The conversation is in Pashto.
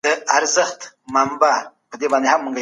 بهرني سفیران د استازو سره څه خبري کوي؟